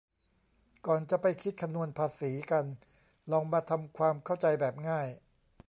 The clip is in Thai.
ก่อนจะไปคิดคำนวณภาษีกันลองมาทำความเข้าใจแบบง่าย